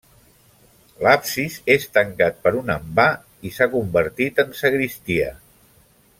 L'absis és tancat per un envà i s'ha convertit en sagristia.